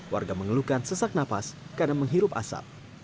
warga mengeluhkan sesak nafas karena menghirup asap